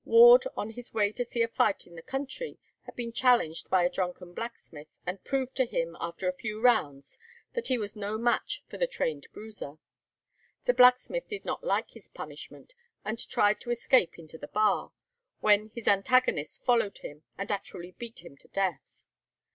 Ward, on his way to see a fight in the country, had been challenged by a drunken blacksmith, and proved to him after a few rounds that he was no match for the trained bruiser. The blacksmith did not like his "punishment," and tried to escape into the bar, when his antagonist followed him, and actually beat him to death.